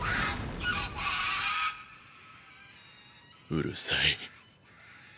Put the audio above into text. うるさい